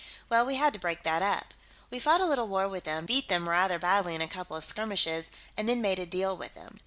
Well, we had to break that up. We fought a little war with them, beat them rather badly in a couple of skirmishes, and then made a deal with them.